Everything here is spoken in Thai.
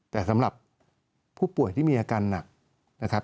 แต่สำหรับผู้ป่วยที่มีอาการหนักนะครับ